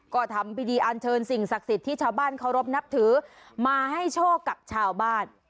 ก็ทำพิธีอันเชิญสิ่งศักดิ์สิทธิ์ที่ชาวบ้านเคารพนับถือมาให้โชคกับชาวบ้าน